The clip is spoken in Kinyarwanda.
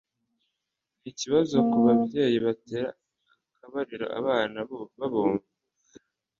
Nikibazo kubabyeyi batera akabariro abana babumva